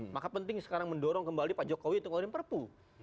maka penting sekarang mendorong kembali pak jokowi untuk mengeluarkan perpu